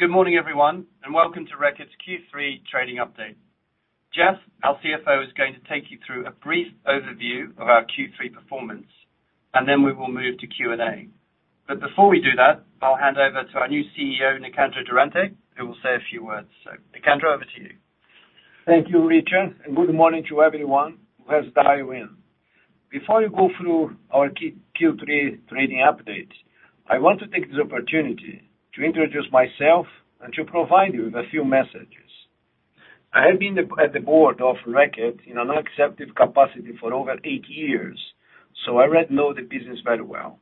Good morning, everyone, and welcome to Reckitt's Q3 trading update. Jeff, our CFO, is going to take you through a brief overview of our Q3 performance, and then we will move to Q&A. Before we do that, I'll hand over to our new CEO, Nicandro Durante, who will say a few words. Nicandro, over to you. Thank you, Richard, and good morning to everyone who has dialed in. Before we go through our Q3 trading update, I want to take this opportunity to introduce myself and to provide you with a few messages. I have been at the board of Reckitt in a non-executive capacity for over eight years, so I already know the business very well.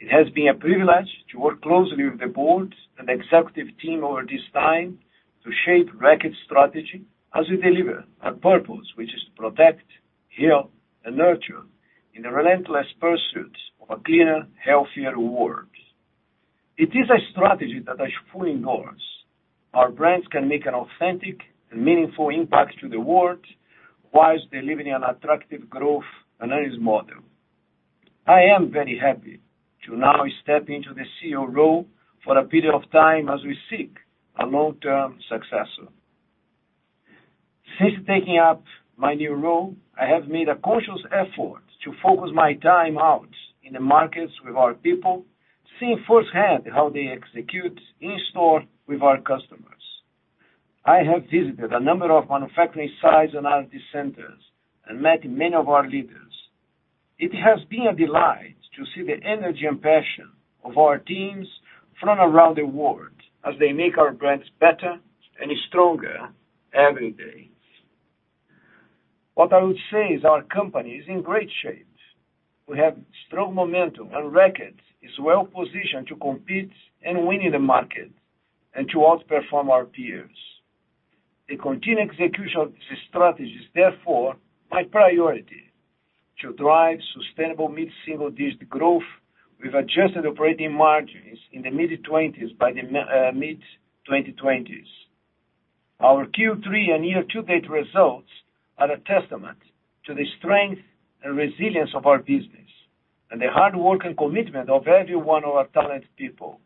It has been a privilege to work closely with the board and executive team over this time to shape Reckitt's strategy as we deliver our purpose, which is to protect, heal, and nurture in the relentless pursuit of a cleaner, healthier world. It is a strategy that I fully endorse. Our brands can make an authentic and meaningful impact to the world while delivering an attractive growth and earnings model. I am very happy to now step into the CEO role for a period of time as we seek a long-term successor. Since taking up my new role, I have made a conscious effort to focus my time out in the markets with our people, seeing firsthand how they execute in-store with our customers. I have visited a number of manufacturing sites and R&D centers and met many of our leaders. It has been a delight to see the energy and passion of our teams from around the world as they make our brands better and stronger every day. What I would say is our company is in great shape. We have strong momentum, and Reckitt is well positioned to compete and win in the market and to outperform our peers. The continued execution of this strategy is therefore my priority to drive sustainable mid-single-digit% growth with adjusted operating margins in the mid-20s% by the mid-2020s. Our Q3 and year-to-date results are a testament to the strength and resilience of our business and the hard work and commitment of every one of our talented people.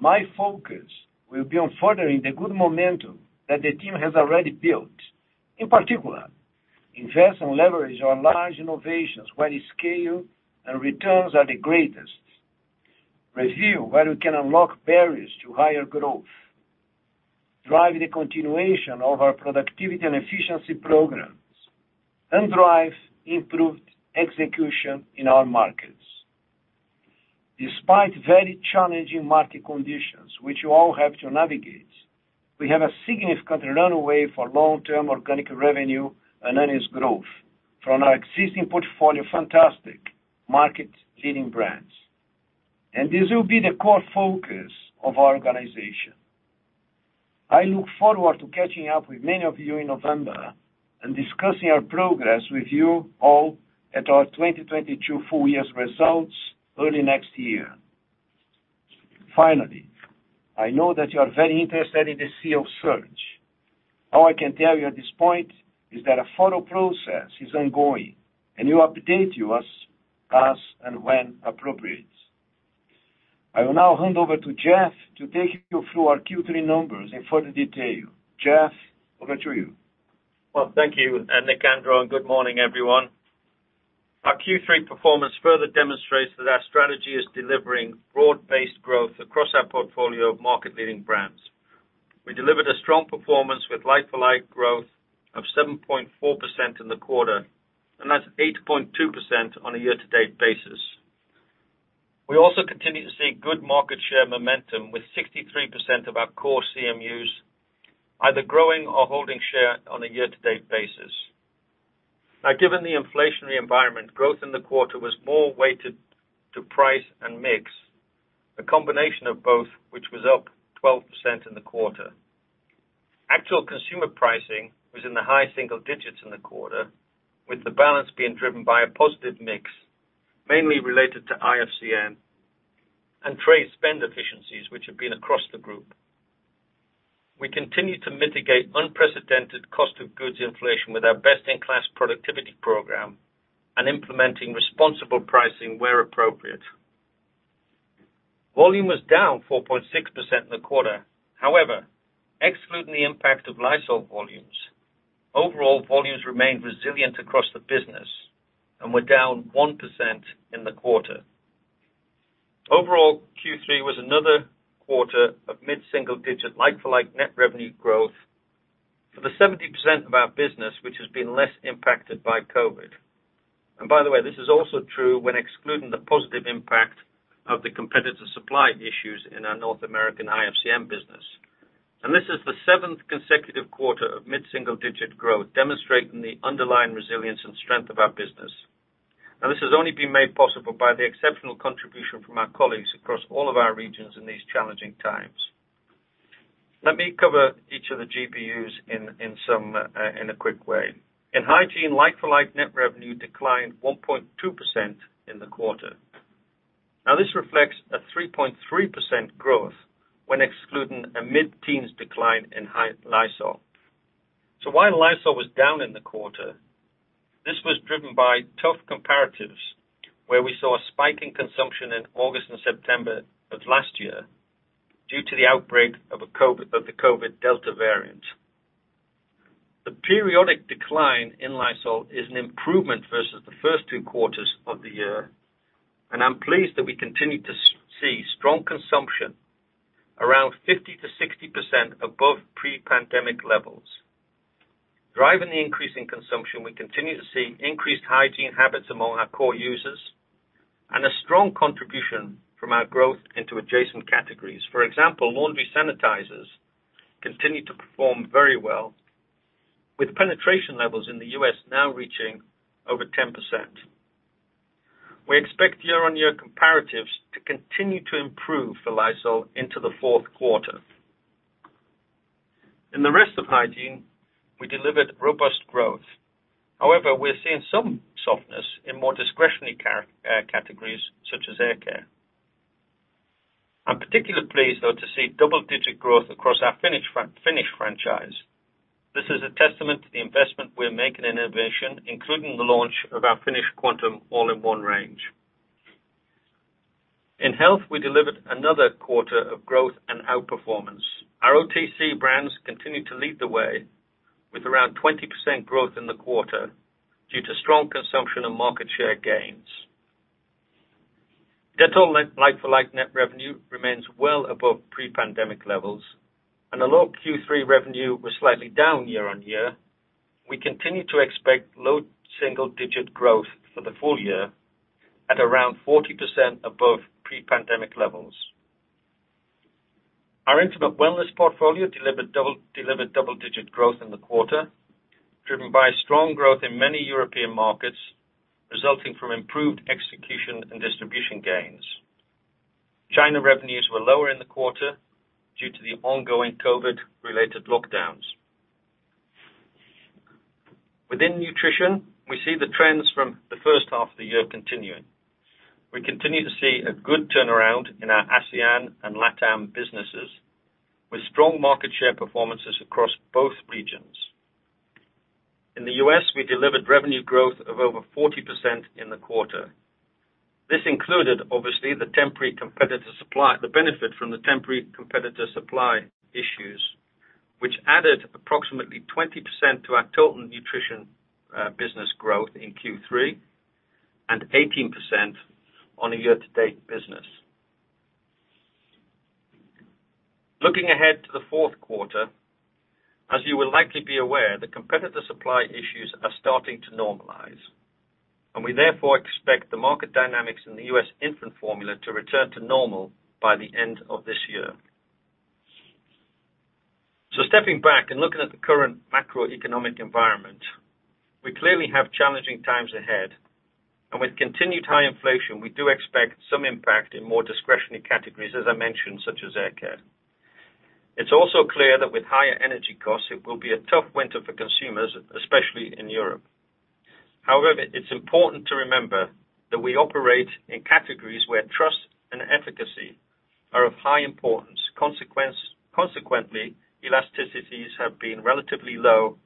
My focus will be on furthering the good momentum that the team has already built. In particular, invest and leverage our large innovations where the scale and returns are the greatest. Review where we can unlock barriers to higher growth. Drive the continuation of our productivity and efficiency programs, and drive improved execution in our markets. Despite very challenging market conditions, which you all have to navigate, we have a significant runway for long-term organic revenue and earnings growth from our existing portfolio of fantastic market-leading brands. This will be the core focus of our organization. I look forward to catching up with many of you in November and discussing our progress with you all at our 2022 full year’s results early next year. Finally, I know that you are very interested in the CEO search. All I can tell you at this point is that a formal process is ongoing and will update you as and when appropriate. I will now hand over to Jeff to take you through our Q3 numbers in further detail. Jeff, over to you. Well, thank you, Nicandro, and good morning, everyone. Our Q3 performance further demonstrates that our strategy is delivering broad-based growth across our portfolio of market-leading brands. We delivered a strong performance with like-for-like growth of 7.4% in the quarter, and that's 8.2% on a year-to-date basis. We also continue to see good market share momentum, with 63% of our core CMUs either growing or holding share on a year-to-date basis. Now, given the inflationary environment, growth in the quarter was more weighted to price and mix, a combination of both which was up 12% in the quarter. Actual consumer pricing was in the high single digits in the quarter, with the balance being driven by a positive mix, mainly related to IFCN and trade spend efficiencies, which have been across the group. We continue to mitigate unprecedented cost of goods inflation with our best-in-class productivity program and implementing responsible pricing where appropriate. Volume was down 4.6% in the quarter. However, excluding the impact of Lysol volumes, overall volumes remained resilient across the business and were down 1% in the quarter. Overall, Q3 was another quarter of mid-single digit like-for-like net revenue growth for the 70% of our business, which has been less impacted by COVID. By the way, this is also true when excluding the positive impact of the competitive supply issues in our North American IFCN business. This is the 7th consecutive quarter of mid-single digit growth, demonstrating the underlying resilience and strength of our business. Now, this has only been made possible by the exceptional contribution from our colleagues across all of our regions in these challenging times. Let me cover each of the GBUs in a quick way. In Hygiene, like-for-like net revenue declined 1.2% in the quarter. This reflects a 3.3% growth when excluding a mid-teens decline in Lysol. While Lysol was down in the quarter, this was driven by tough comparatives, where we saw a spike in consumption in August and September of last year due to the outbreak of the COVID Delta variant. The periodic decline in Lysol is an improvement versus the first two quarters of the year, and I'm pleased that we continue to see strong consumption around 50%-60% above pre-pandemic levels. Driving the increase in consumption, we continue to see increased hygiene habits among our core users and a strong contribution from our growth into adjacent categories. For example, laundry sanitizers continue to perform very well with penetration levels in the U.S. now reaching over 10%. We expect year-on-year comparatives to continue to improve for Lysol into the fourth quarter. In the rest of Hygiene, we delivered robust growth. However, we're seeing some softness in more discretionary categories such as hair care. I'm particularly pleased, though, to see double-digit growth across our Finish franchise. This is a testament to the investment we're making in innovation, including the launch of our Finish Quantum All-in-One range. In Health, we delivered another quarter of growth and outperformance. Our OTC brands continue to lead the way with around 20% growth in the quarter due to strong consumption and market share gains. Dettol like-for-like net revenue remains well above pre-pandemic levels, and although Q3 revenue was slightly down year-on-year, we continue to expect low single-digit growth for the full year at around 40% above pre-pandemic levels. Our Intimate Wellness portfolio delivered double-digit growth in the quarter, driven by strong growth in many European markets, resulting from improved execution and distribution gains. China revenues were lower in the quarter due to the ongoing COVID-related lockdowns. Within Nutrition, we see the trends from the first half of the year continuing. We continue to see a good turnaround in our ASEAN and LATAM businesses, with strong market share performances across both regions. In the U.S., we delivered revenue growth of over 40% in the quarter. This included, obviously, the temporary competitor supply. The benefit from the temporary competitor supply issues, which added approximately 20% to our total Nutrition business growth in Q3 and 18% on a year-to-date basis. Looking ahead to the fourth quarter, as you will likely be aware, the competitor supply issues are starting to normalize, and we therefore expect the market dynamics in the U.S. infant formula to return to normal by the end of this year. Stepping back and looking at the current macroeconomic environment, we clearly have challenging times ahead. With continued high inflation, we do expect some impact in more discretionary categories, as I mentioned, such as hair care. It's also clear that with higher energy costs, it will be a tough winter for consumers, especially in Europe. However, it's important to remember that we operate in categories where trust and efficacy are of high importance. Consequently, elasticities have been relatively low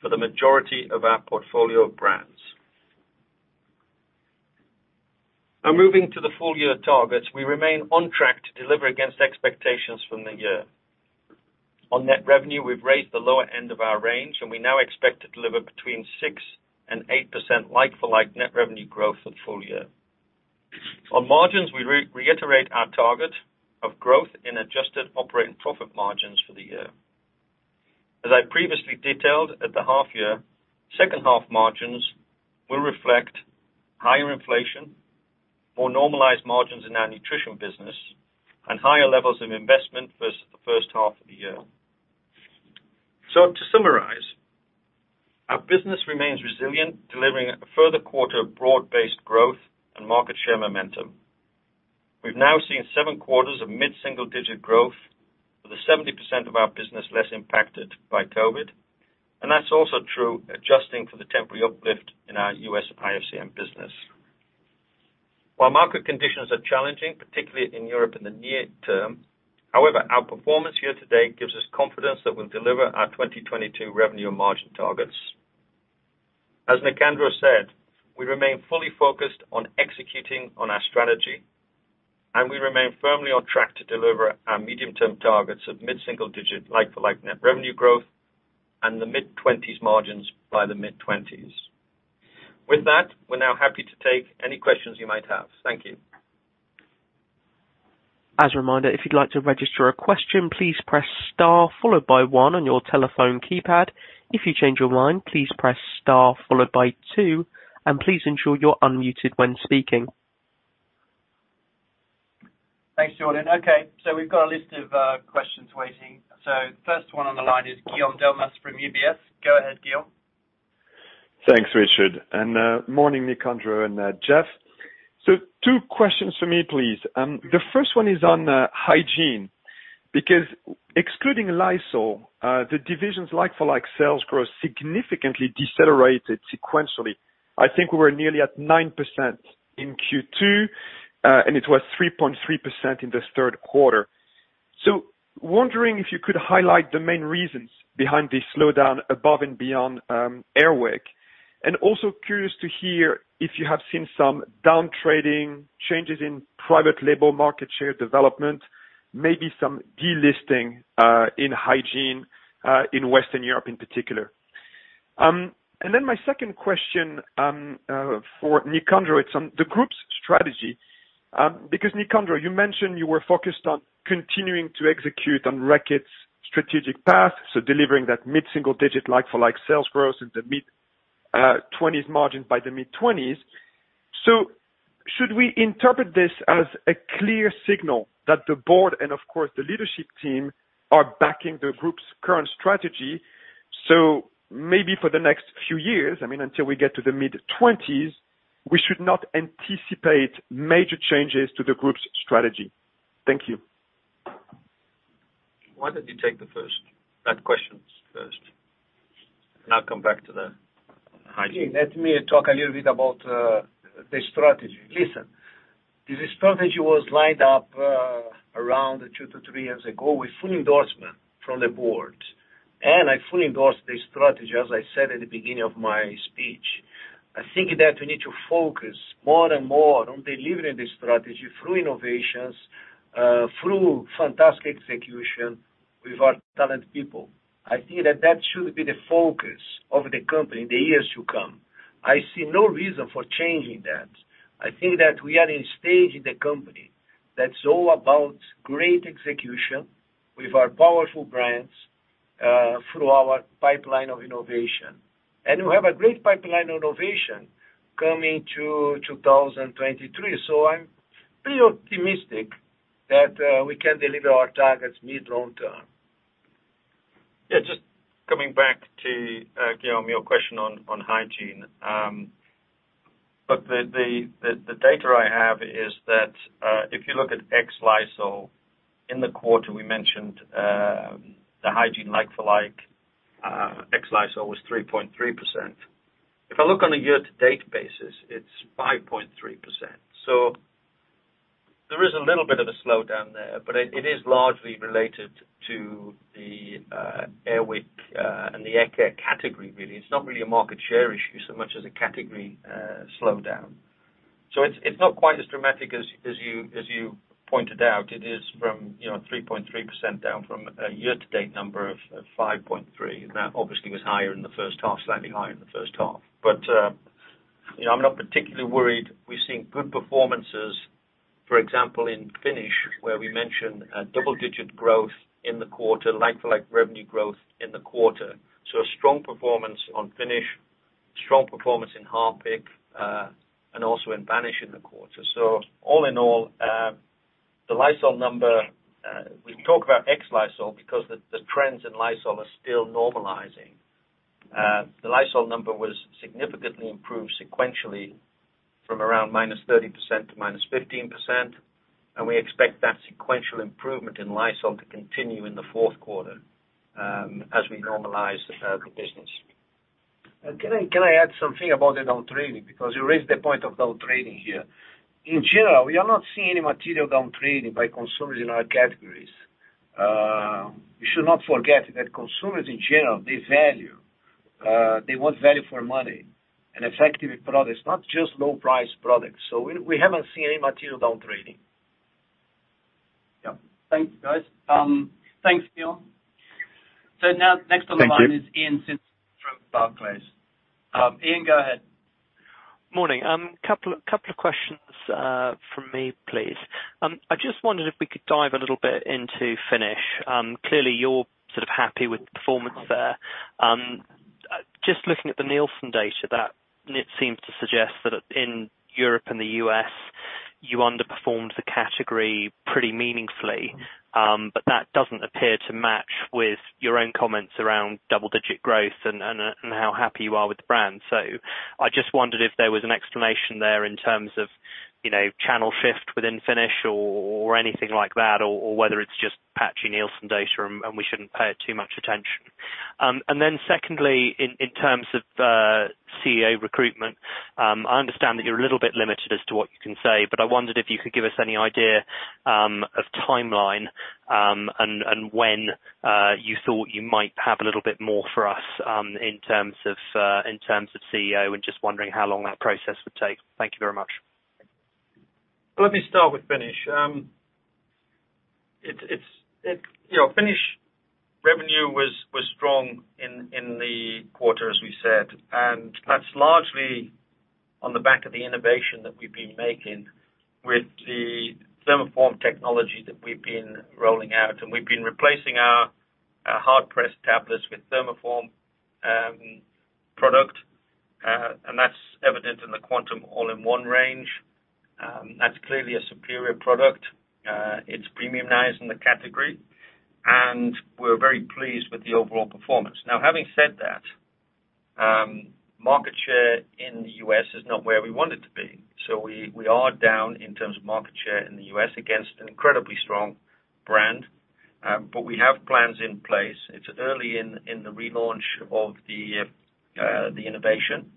for the majority of our portfolio of brands. Now moving to the full year targets, we remain on track to deliver against expectations from the year. On net revenue, we've raised the lower end of our range, and we now expect to deliver between 6% and 8% like-for-like net revenue growth for the full year. On margins, we reiterate our target of growth in adjusted operating profit margins for the year. As I previously detailed at the half year, second half margins will reflect higher inflation, more normalized margins in our Nutrition business, and higher levels of investment versus the first half of the year. To summarize, our business remains resilient, delivering a further quarter of broad-based growth and market share momentum. We've now seen seven quarters of mid-single-digit growth with the 70% of our business less impacted by COVID, and that's also true adjusting for the temporary uplift in our US IFCN business. While market conditions are challenging, particularly in Europe in the near term, however, our performance here today gives us confidence that we'll deliver our 2022 revenue margin targets. As Nicandro said, we remain fully focused on executing on our strategy, and we remain firmly on track to deliver our medium-term targets of mid-single-digit like-for-like net revenue growth and the mid-20s margins by the mid-2020s. With that, we're now happy to take any questions you might have. Thank you. As a reminder, if you'd like to register a question, please press star followed by one on your telephone keypad. If you change your mind, please press star followed by two, and please ensure you're unmuted when speaking. Thanks, Jordan. Okay, we've got a list of questions waiting. First one on the line is Guillaume Delmas from UBS. Go ahead, Guillaume. Thanks, Richard. Morning, Nicandro and Jeff. Two questions for me, please. The first one is on Hygiene, because excluding Lysol, the division's like-for-like sales growth significantly decelerated sequentially. I think we were nearly at 9% in Q2, and it was 3.3% in this third quarter. Wondering if you could highlight the main reasons behind this slowdown above and beyond Air Wick. Also curious to hear if you have seen some down trading changes in private label market share development, maybe some delisting in hygiene in Western Europe in particular. My second question for Nicandro is on the group's strategy. Because Nicandro, you mentioned you were focused on continuing to execute on Reckitt's strategic path, so delivering that mid-single digit like-for-like sales growth in the mid-twenties margin by the mid-twenties. Should we interpret this as a clear signal that the board and of course the leadership team are backing the group's current strategy? Maybe for the next few years, I mean, until we get to the mid-twenties, we should not anticipate major changes to the group's strategy. Thank you. Why don't you take the first question first, and I'll come back to the hygiene. Let me talk a little bit about the strategy. Listen, this strategy was lined up around 2-3 years ago with full endorsement from the board, and I fully endorse the strategy. As I said at the beginning of my speech, I think that we need to focus more and more on delivering the strategy through innovations through fantastic execution with our talented people. I think that should be the focus of the company in the years to come. I see no reason for changing that. I think that we are in a stage in the company that's all about great execution with our powerful brands through our pipeline of innovation. We have a great pipeline of innovation coming to 2023. I'm pretty optimistic that we can deliver our targets mid long term. Yeah, just coming back to Guillaume, your question on Hygiene. The data I have is that if you look at ex-Lysol in the quarter, we mentioned the Hygiene like-for-like ex-Lysol was 3.3%. If I look on a year-to-date basis, it's 5.3%. There is a little bit of a slowdown there, but it is largely related to the Air Wick and the hair care category, really. It's not really a market share issue so much as a category slowdown. It's not quite as dramatic as you pointed out. It is from, you know, 3.3% down from a year-to-date number of 5.3%. That obviously was higher in the first half, slightly higher in the first half. You know, I'm not particularly worried. We've seen good performances, for example, in Finish, where we mentioned a double-digit growth in the quarter, like-for-like revenue growth in the quarter. A strong performance on Finish, strong performance in Harpic, and also in Vanish in the quarter. All in all, the Lysol number, we can talk about ex-Lysol because the trends in Lysol are still normalizing. The Lysol number was significantly improved sequentially from around -30% to -15%, and we expect that sequential improvement in Lysol to continue in the fourth quarter, as we normalize the business. Can I add something about the down trading? Because you raised the point of down trading here. In general, we are not seeing any material down trading by consumers in our categories. You should not forget that consumers in general, they value, they want value for money and effective products, not just low price products. We haven't seen any material down trading. Yeah. Thank you, guys. Thanks, Nicandro. Now. Thank you. Next on the line is Iain from Barclays. Iain, go ahead. Morning. Couple of questions from me, please. I just wondered if we could dive a little bit into Finish. Clearly you're sort of happy with the performance there. Just looking at the Nielsen data that it seems to suggest that in Europe and the U.S., you underperformed the category pretty meaningfully, but that doesn't appear to match with your own comments around double-digit growth and how happy you are with the brand. I just wondered if there was an explanation there in terms of, you know, channel shift within Finish or anything like that, or whether it's just patchy Nielsen data and we shouldn't pay it too much attention. Secondly, in terms of CEO recruitment, I understand that you're a little bit limited as to what you can say, but I wondered if you could give us any idea of timeline, and when you thought you might have a little bit more for us, in terms of CEO and just wondering how long that process would take. Thank you very much. Let me start with Finish. It's, you know, Finish revenue was strong in the quarter, as we said, and that's largely on the back of the innovation that we've been making with the thermoform technology that we've been rolling out. We've been replacing our hard press tablets with thermoform product, and that's evident in the Quantum All-in-One range. That's clearly a superior product. It's premium now in the category, and we're very pleased with the overall performance. Now, having said that, market share in the U.S. is not where we want it to be. We are down in terms of market share in the U.S. against an incredibly strong brand. But we have plans in place. It's early in the relaunch of the innovation.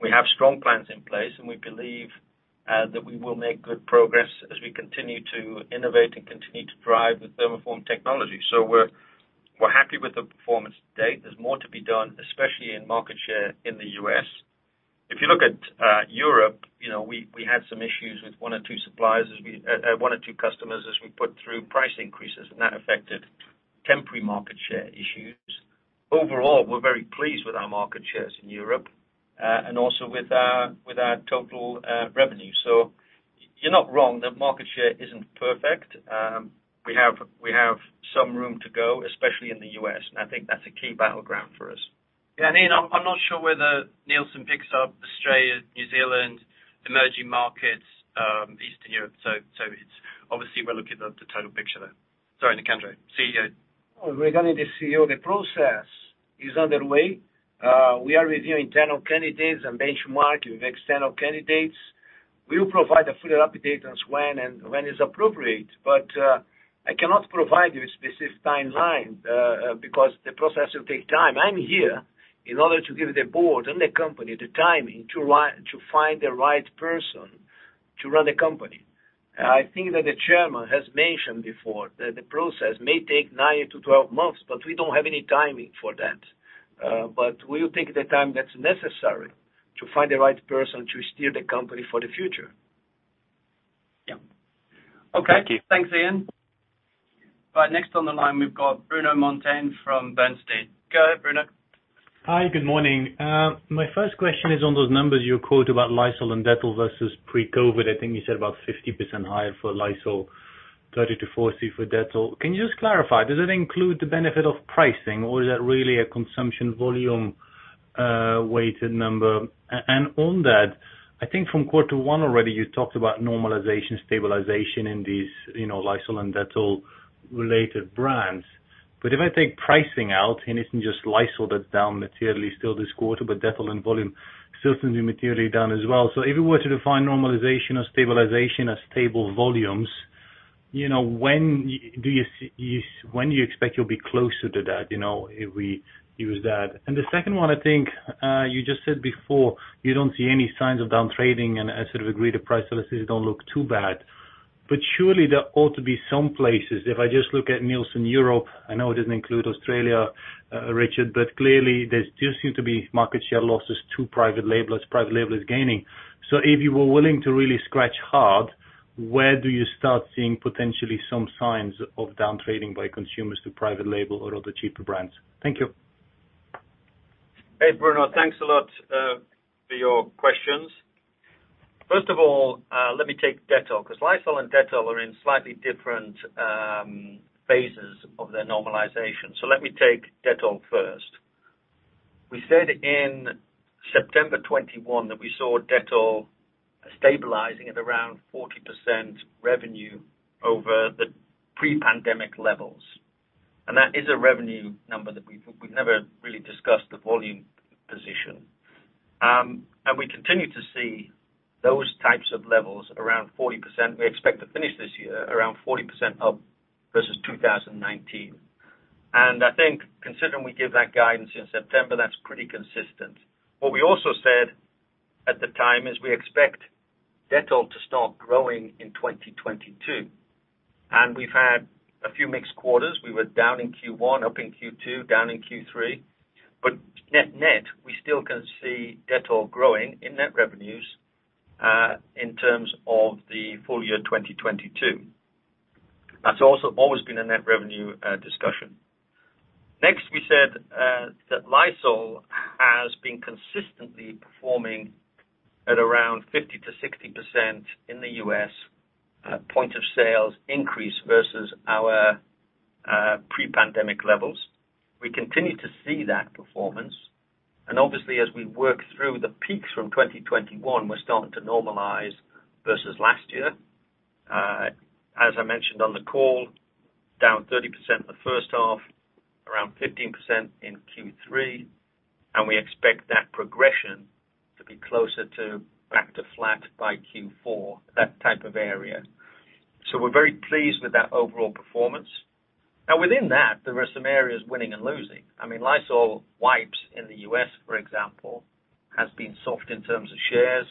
We have strong plans in place, and we believe that we will make good progress as we continue to innovate and continue to drive the thermoform technology. We're happy with the performance to date. There's more to be done, especially in market share in the U.S. If you look at Europe, we had some issues with one or two customers as we put through price increases, and that affected temporary market share issues. Overall, we're very pleased with our market shares in Europe, and also with our total revenue. You're not wrong, the market share isn't perfect. We have some room to go, especially in the U.S., and I think that's a key battleground for us. Iain, I'm not sure whether Nielsen picks up Australia, New Zealand, emerging markets, Eastern Europe, so it's obviously we're looking at the total picture there. Sorry, Nicandro, CEO. Regarding the CEO, the process is underway. We are reviewing internal candidates and benchmarking with external candidates. We'll provide a further update when it's appropriate, but I cannot provide you a specific timeline because the process will take time. I'm here in order to give the board and the company the timing to find the right person to run the company. I think that the Chairman has mentioned before that the process may take 9-12 months, but we don't have any timing for that. We'll take the time that's necessary to find the right person to steer the company for the future. Yeah. Okay. Thank you. Thanks, Iain. Right, next on the line we've got Bruno Monteyne from Bernstein. Go ahead, Bruno. Hi. Good morning. My first question is on those numbers you quoted about Lysol and Dettol versus pre-COVID. I think you said about 50% higher for Lysol, 30%-40% for Dettol. Can you just clarify, does it include the benefit of pricing, or is that really a consumption volume, weighted number? And on that, I think from quarter one already, you talked about normalization, stabilization in these, you know, Lysol and Dettol related brands. If I take pricing out, and it's just Lysol that's down materially still this quarter, but Dettol and volume certainly materially down as well. If you were to define normalization or stabilization as stable volumes, you know, when do you see. When do you expect you'll be closer to that, you know, if we use that? The second one, I think, you just said before, you don't see any signs of down trading, and I sort of agree, the price increases don't look too bad. Surely there ought to be some places. If I just look at Nielsen Europe, I know it doesn't include Australia, Richard, but clearly there still seem to be market share losses to private label as private label is gaining. If you were willing to really scratch hard, where do you start seeing potentially some signs of down trading by consumers to private label or other cheaper brands? Thank you. Hey, Bruno. Thanks a lot for your questions. First of all, let me take Dettol, 'cause Lysol and Dettol are in slightly different phases of their normalization. Let me take Dettol first. We said in September 2021 that we saw Dettol stabilizing at around 40% revenue over the pre-pandemic levels. That is a revenue number that we've never really discussed the volume position. We continue to see those types of levels around 40%. We expect to finish this year around 40% up versus 2019. I think considering we gave that guidance in September, that's pretty consistent. What we also said at the time is we expect Dettol to start growing in 2022, and we've had a few mixed quarters. We were down in Q1, up in Q2, down in Q3. Net-net, we still can see Dettol growing in net revenues in terms of the full year 2022. That's also always been a net revenue discussion. Next, we said that Lysol has been consistently performing at around 50%-60% in the U.S. at point of sales increase versus our pre-pandemic levels. We continue to see that performance. Obviously, as we work through the peaks from 2021, we're starting to normalize versus last year. As I mentioned on the call, down 30% in the first half, around 15% in Q3, and we expect that progression to be closer to back to flat by Q4, that type of area. We're very pleased with that overall performance. Now within that, there are some areas winning and losing. I mean, Lysol wipes in the U.S., for example, has been soft in terms of shares.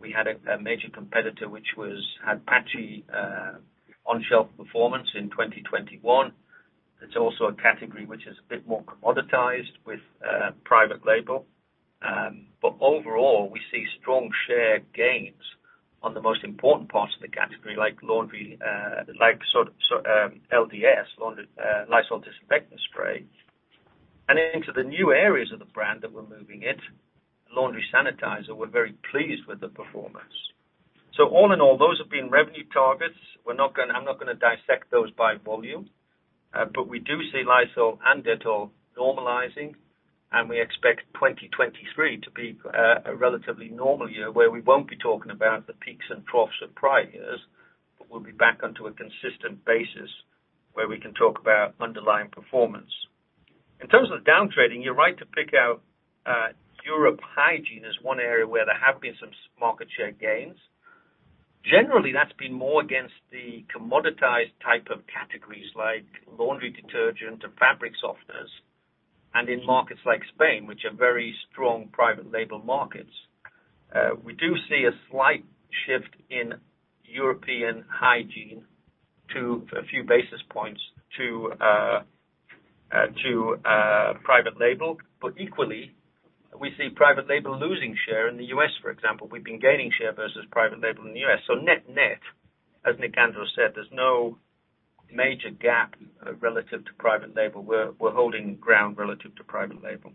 We had a major competitor which had patchy on-shelf performance in 2021. It's also a category which is a bit more commoditized with private label. Overall, we see strong share gains on the most important parts of the category like laundry, LDS, laundry, Lysol Disinfectant Spray. Into the new areas of the brand that we're moving it, Laundry Sanitizer, we're very pleased with the performance. All in all, those have been revenue targets. We're not gonna I'm not gonna dissect those by volume, but we do see Lysol and Dettol normalizing, and we expect 2023 to be a relatively normal year, where we won't be talking about the peaks and troughs of prior years, but we'll be back onto a consistent basis where we can talk about underlying performance. In terms of downtrading, you're right to pick out European Hygiene as one area where there have been some market share gains. Generally, that's been more against the commoditized type of categories like laundry detergent and fabric softeners. In markets like Spain, which are very strong private label markets, we do see a slight shift in European Hygiene to a few basis points to private label. Equally, we see private label losing share in the U.S., for example. We've been gaining share versus private label in the U.S. Net-net, as Nicandro Durante said, there's no major gap relative to private label. We're holding ground relative to private label.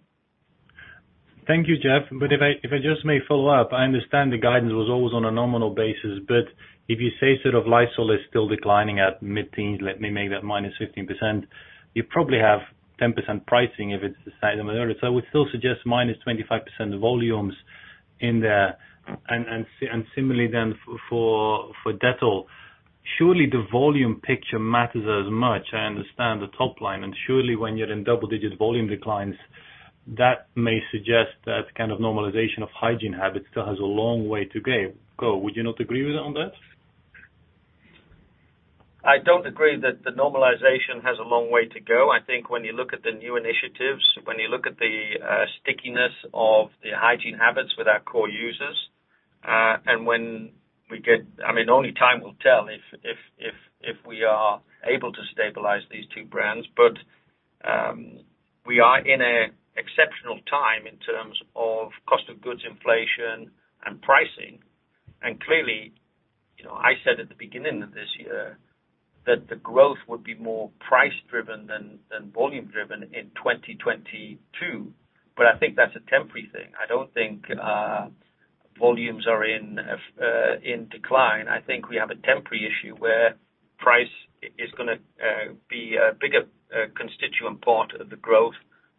Thank you, Jeff. If I just may follow up, I understand the guidance was always on a nominal basis, but if you say sort of Lysol is still declining at mid-teens, let me make that -15%, you probably have 10% pricing if it's the same order. I would still suggest -25% volumes in there and similarly then for Dettol. Surely the volume picture matters as much. I understand the top line, and surely when you're in double-digit volume declines, that may suggest that kind of normalization of hygiene habits still has a long way to go. Would you not agree with me on that? I don't agree that the normalization has a long way to go. I think when you look at the new initiatives, when you look at the stickiness of the hygiene habits with our core users, and I mean, only time will tell if we are able to stabilize these two brands. We are in an exceptional time in terms of cost of goods inflation and pricing. Clearly, you know, I said at the beginning of this year that the growth would be more price driven than volume driven in 2022, but I think that's a temporary thing. I don't think volumes are in decline. I think we have a temporary issue where price is gonna be a bigger constituent part of the growth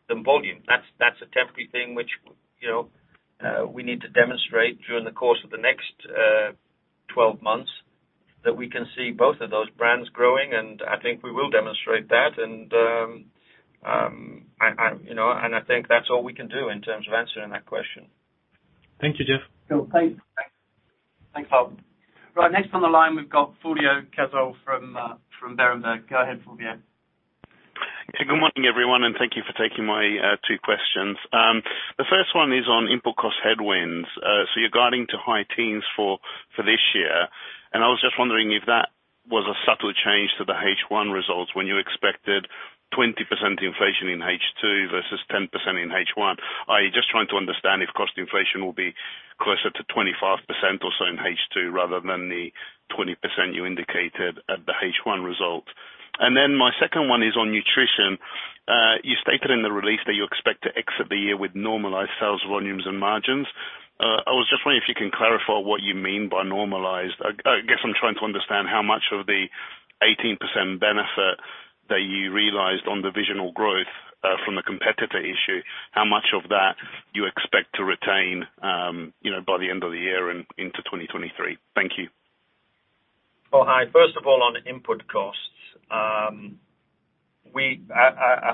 than volume. That's a temporary thing which, you know, we need to demonstrate during the course of the next 12 months that we can see both of those brands growing, and I think we will demonstrate that. You know, and I think that's all we can do in terms of answering that question. Thank you, Jeff. Cool, thanks. Thanks, Bruno Monteyne. Right, next on the line we've got Fulvio Cazzol from Berenberg. Go ahead, Fulvio. Hey, good morning, everyone, and thank you for taking my two questions. The first one is on input cost headwinds. So you're guiding to high teens for this year, and I was just wondering if that was a subtle change to the H1 results when you expected 20% inflation in H2 versus 10% in H1. I'm just trying to understand if cost inflation will be closer to 25% or so in H2 rather than the 20% you indicated at the H1 result. My second one is on nutrition. You stated in the release that you expect to exit the year with normalized sales volumes and margins. I was just wondering if you can clarify what you mean by normalized. I guess I'm trying to understand how much of the 18% benefit that you realized on the divisional growth, from the competitor issue, how much of that you expect to retain, you know, by the end of the year and into 2023? Thank you. Well, hi. First of all, on input costs, I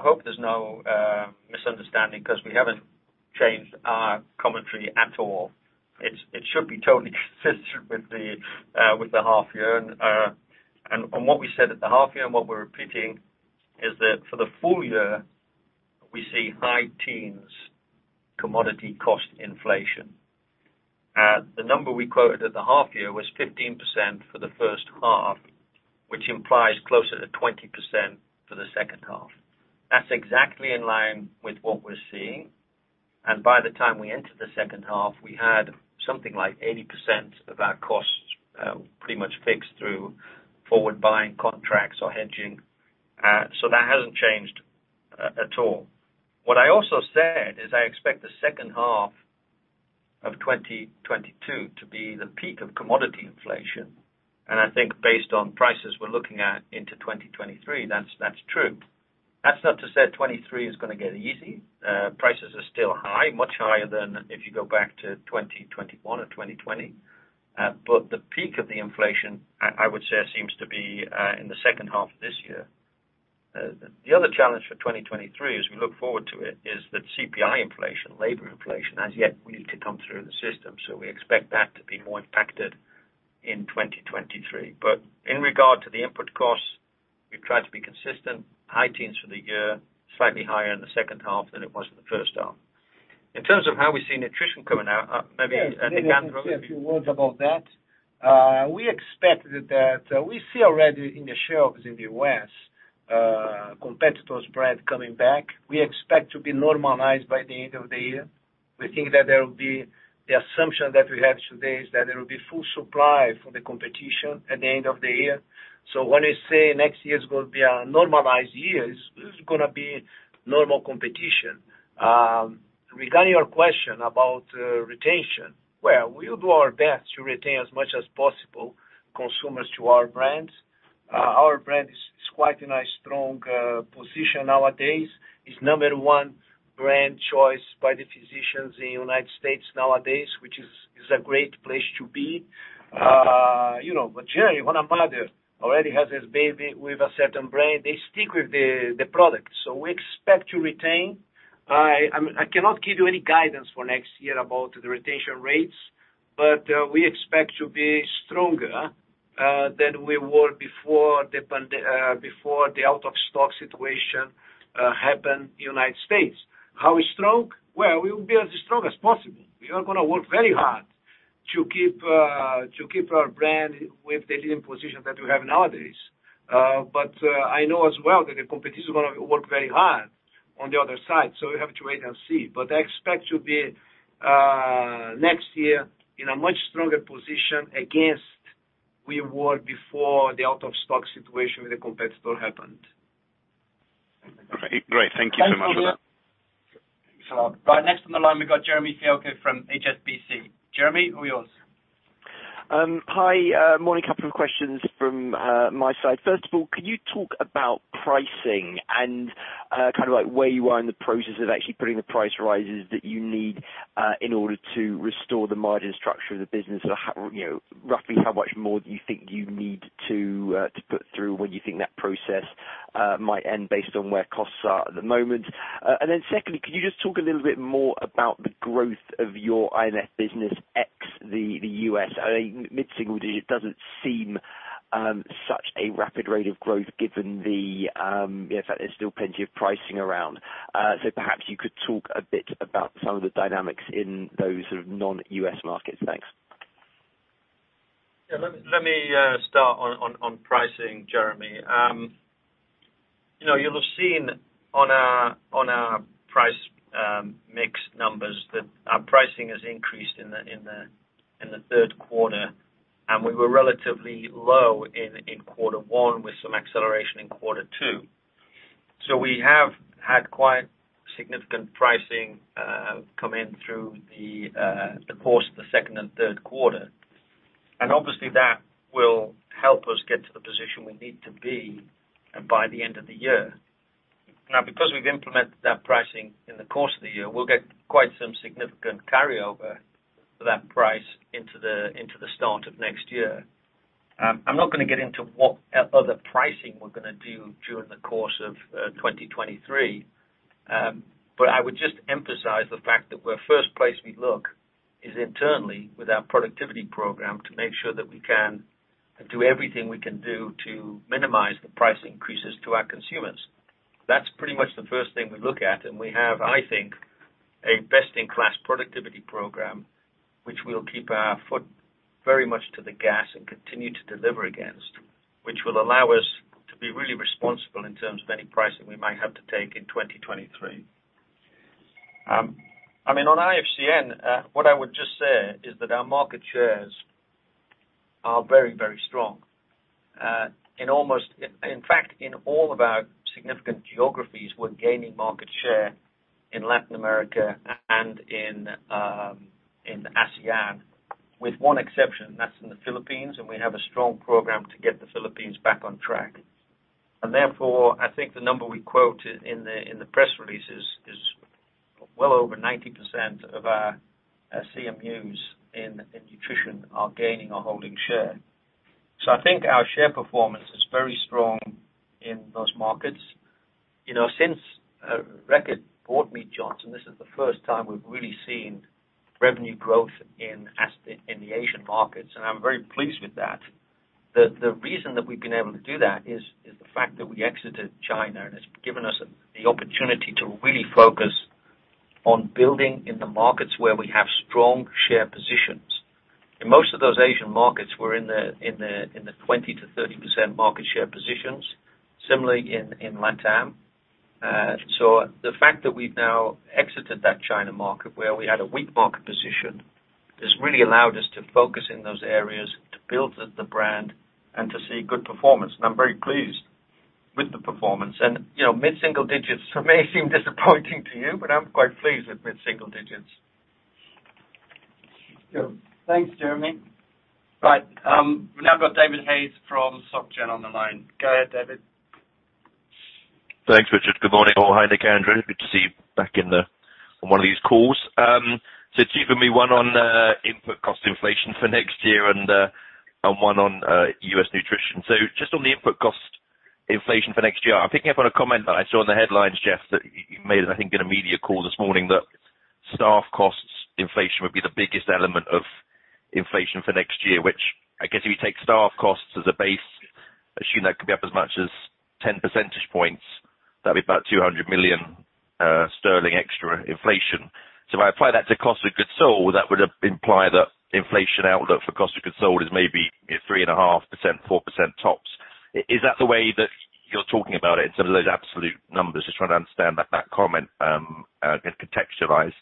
hope there's no misunderstanding 'cause we haven't changed our commentary at all. It should be totally consistent with the half year and what we said at the half year and what we're repeating is that for the full year, we see high teens commodity cost inflation. The number we quoted at the half year was 15% for the first half, which implies closer to 20% for the second half. That's exactly in line with what we're seeing, and by the time we entered the second half, we had something like 80% of our costs pretty much fixed through forward buying contracts or hedging. So that hasn't changed at all. What I also said is I expect the second half of 2022 to be the peak of commodity inflation, and I think based on prices we're looking at into 2023, that's true. That's not to say 2023 is gonna get easy. Prices are still high, much higher than if you go back to 2021 or 2020. The peak of the inflation I would say seems to be in the second half of this year. The other challenge for 2023 as we look forward to it is that CPI inflation, labor inflation has yet really to come through the system, so we expect that to be more impacted in 2023. In regard to the input costs, we've tried to be consistent, high teens% for the year, slightly higher in the second half than it was in the first half. In terms of how we see Nutrition coming out, maybe Nicandro Durante can- Yeah. I can say a few words about that. We expect that we see already on the shelves in the US, competitors brand coming back. We expect to be normalized by the end of the year. We think that there will be. The assumption that we have today is that there will be full supply from the competition at the end of the year. When we say next year is gonna be a normalized year, it's gonna be normal competition. Regarding your question about retention, well, we'll do our best to retain as many as possible consumers to our brands. Our brand is quite a strong position nowadays. It's number one. Brand choice by the physicians in the United States nowadays, which is a great place to be. You know, generally, when a mother already has this baby with a certain brand, they stick with the product. We expect to retain. I mean, I cannot give you any guidance for next year about the retention rates, but we expect to be stronger than we were before the out of stock situation happened in the United States. How strong? Well, we will be as strong as possible. We are gonna work very hard to keep our brand with the leading position that we have nowadays. I know as well that the competition is gonna work very hard on the other side, so we have to wait and see. I expect to be next year in a much stronger position than we were before the out of stock situation with the competitor happened. Great. Thank you so much for that. Thanks a lot. Right. Next on the line we've got Jeremy Fialko from HSBC. Jeremy, all yours. Hi, morning. A couple of questions from my side. First of all, can you talk about pricing and kind of like where you are in the process of actually putting the price rises that you need in order to restore the margin structure of the business? Or you know, roughly how much more do you think you need to put through, when you think that process might end based on where costs are at the moment? And then secondly, can you just talk a little bit more about the growth of your IMF business, ex the U.S.? I mean, mid-single digit doesn't seem such a rapid rate of growth given the fact there's still plenty of pricing around. Perhaps you could talk a bit about some of the dynamics in those sort of non-U.S. markets. Thanks. Yeah. Let me start on pricing, Jeremy. You know, you'll have seen on our price mix numbers that our pricing has increased in the third quarter, and we were relatively low in quarter one with some acceleration in quarter two. We have had quite significant pricing come in through the course of the second and third quarter. Obviously that will help us get to the position we need to be by the end of the year. Now, because we've implemented that pricing in the course of the year, we'll get quite some significant carryover for that price into the start of next year. I'm not gonna get into what other pricing we're gonna do during the course of 2023. I would just emphasize the fact that the first place we look is internally with our productivity program to make sure that we can do everything we can do to minimize the price increases to our consumers. That's pretty much the first thing we look at, and we have, I think, a best in class productivity program, which will keep our foot very much to the gas and continue to deliver against, which will allow us to be really responsible in terms of any pricing we might have to take in 2023. I mean, on IFCN, what I would just say is that our market shares are very, very strong. In fact, in all of our significant geographies, we're gaining market share in Latin America and in ASEAN, with one exception, and that's in the Philippines, and we have a strong program to get the Philippines back on track. Therefore, I think the number we quote in the press release is well over 90% of our CMUs in nutrition are gaining or holding share. I think our share performance is very strong in those markets. You know, since Reckitt bought Mead Johnson, this is the first time we've really seen revenue growth in the Asian markets, and I'm very pleased with that. The reason that we've been able to do that is the fact that we exited China, and it's given us the opportunity to really focus on building in the markets where we have strong share positions. In most of those Asian markets, we're in the 20%-30% market share positions, similarly in LatAm. The fact that we've now exited that China market where we had a weak market position has really allowed us to focus in those areas to build the brand and to see good performance. I'm very pleased with the performance. You know, mid-single digits may seem disappointing to you, but I'm quite pleased with mid-single digits. Sure. Thanks, Jeremy. Right. We've now got David Hayes from Société Générale on the line. Go ahead, David. Thanks, Richard Joyce. Good morning all. Hi Nicandro Durante. Good to see you back on one of these calls. Two for me, one on input cost inflation for next year and one on US nutrition. Just on the input cost inflation for next year, I'm picking up on a comment that I saw in the headlines, Jeff Carr, that you made, I think, in a media call this morning, that staff costs inflation would be the biggest element of inflation for next year, which I guess if you take staff costs as a base, assuming that could be up as much as 10 percentage points, that'd be about 200 million sterling extra inflation. If I apply that to cost of goods sold, that would imply that inflation outlook for cost of goods sold is maybe, you know, 3.5%, 4% tops. Is that the way that you're talking about it in terms of those absolute numbers? Just trying to understand that comment, you know, contextualized.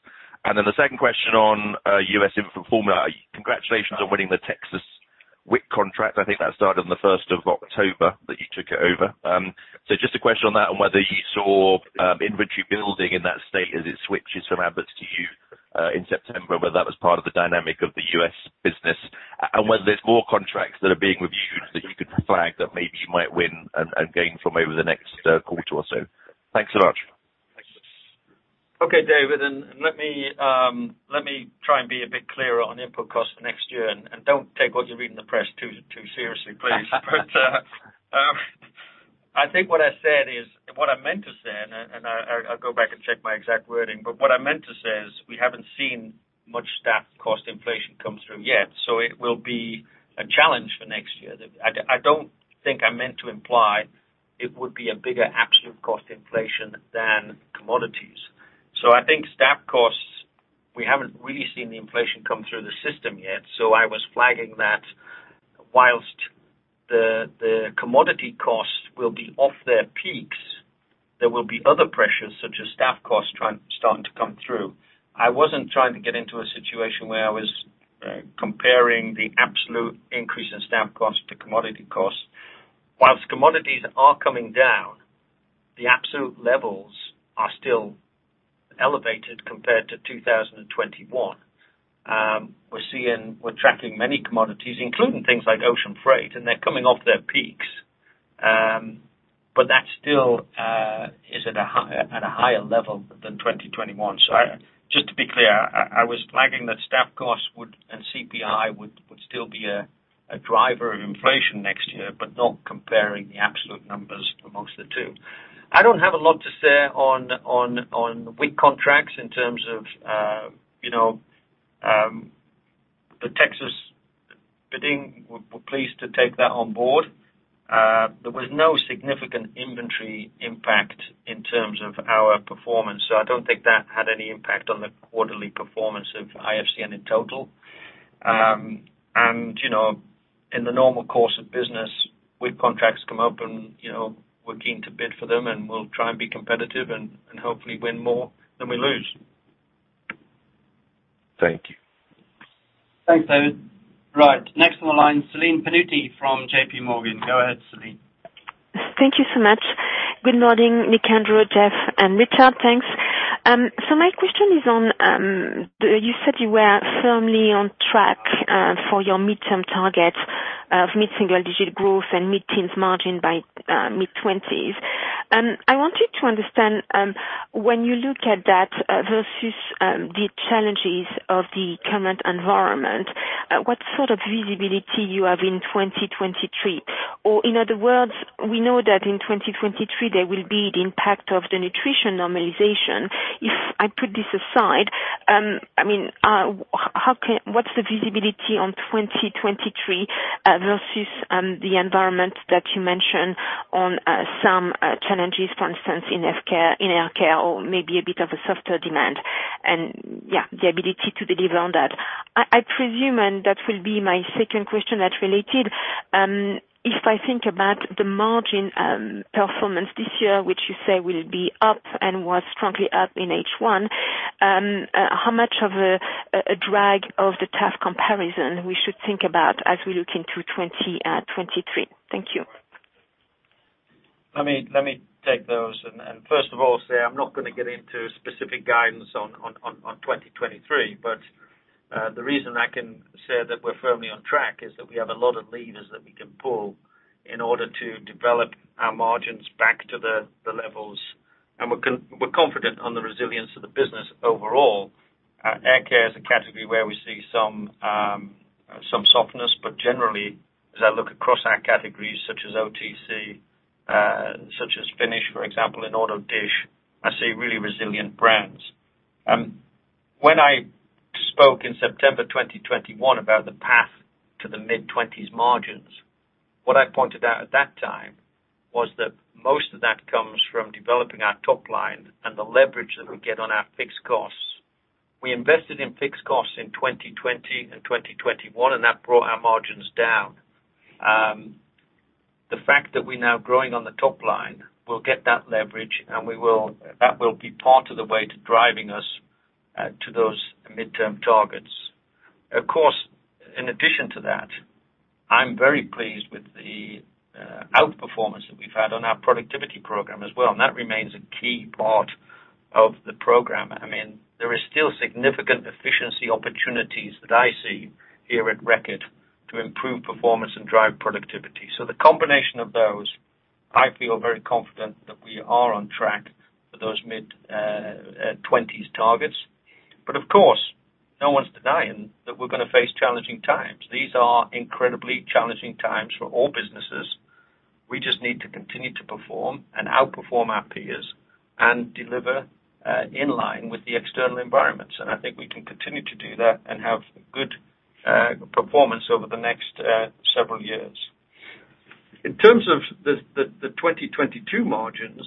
The second question on U.S. infant formula. Congratulations on winning the Texas WIC contract. I think that started on the first of October that you took it over. Just a question on that and whether you saw inventory building in that space as it switches from Abbott to you in September, whether that was part of the dynamic of the U.S. business. Whether there's more contracts that are being reviewed that you could flag that maybe you might win and gain from over the next quarter or so. Thanks so much. Okay, David. Let me try and be a bit clearer on input costs for next year, and don't take what you read in the press too seriously, please. I think what I said is what I meant to say. I'll go back and check my exact wording, but what I meant to say is we haven't seen much staff cost inflation come through yet, so it will be a challenge for next year. I don't think I meant to imply it would be a bigger absolute cost inflation than commodities. I think staff costs, we haven't really seen the inflation come through the system yet. I was flagging that while the commodity costs will be off their peaks, there will be other pressures such as staff costs starting to come through. I wasn't trying to get into a situation where I was comparing the absolute increase in staff costs to commodity costs. While commodities are coming down, the absolute levels are still elevated compared to 2021. We're tracking many commodities, including things like ocean freight, and they're coming off their peaks. That still is at a higher level than 2021. Just to be clear, I was flagging that staff costs would and CPI would still be a driver of inflation next year, but not comparing the absolute numbers among the two. I don't have a lot to say on WIC contracts in terms of the Texas bidding. We're pleased to take that on board. There was no significant inventory impact in terms of our performance. I don't think that had any impact on the quarterly performance of IFCN in total. You know, in the normal course of business, WIC contracts come up and you know, we're keen to bid for them and we'll try and be competitive and hopefully win more than we lose. Thank you. Thanks, David. Right. Next on the line, Celine Pannuti from JPMorgan. Go ahead, Celine. Thank you so much. Good morning, Nicandro Durante, Jeff Carr, and Richard Joyce. Thanks. My question is on you said you were firmly on track for your midterm targets of mid-single-digit% growth and mid-teens% margin by mid-2020s. I wanted to understand, when you look at that versus the challenges of the current environment, what sort of visibility you have in 2023? In other words, we know that in 2023 there will be the impact of the Nutrition normalization. If I put this aside, I mean, what's the visibility on 2023 versus the environment that you mentioned on some challenges, for instance, in hair care or maybe a bit of a softer demand, and the ability to deliver on that. I presume that will be my second question that relates, if I think about the margin performance this year, which you say will be up and was strongly up in H1, how much of a drag from the tough comparison we should think about as we look into 2023? Thank you. Let me take those, and first of all say I'm not gonna get into specific guidance on 2023. The reason I can say that we're firmly on track is that we have a lot of levers that we can pull in order to develop our margins back to the levels. We're confident on the resilience of the business overall. Hair care is a category where we see some softness, but generally, as I look across our categories such as OTC, such as Finish, for example, and Automatic Dishwashing, I see really resilient brands. When I spoke in September 2021 about the path to the mid-20s% margins, what I pointed out at that time was that most of that comes from developing our top line and the leverage that we get on our fixed costs. We invested in fixed costs in 2020 and 2021, and that brought our margins down. The fact that we're now growing on the top line, we'll get that leverage and that will be part of the way to driving us to those midterm targets. Of course, in addition to that, I'm very pleased with the outperformance that we've had on our productivity program as well, and that remains a key part of the program. I mean, there is still significant efficiency opportunities that I see here at Reckitt to improve performance and drive productivity. The combination of those, I feel very confident that we are on track for those mid-20s targets. Of course, no one's denying that we're gonna face challenging times. These are incredibly challenging times for all businesses. We just need to continue to perform and outperform our peers and deliver in line with the external environments. I think we can continue to do that and have good performance over the next several years. In terms of the 2022 margins,